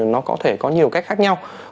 nó có thể có nhiều cách khác nhau